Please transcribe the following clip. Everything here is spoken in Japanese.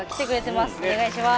お願いします。